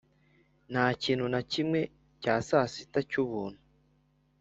nta kintu na kimwe cya sasita cy'ubuntu